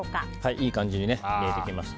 いい感じに煮えてきました。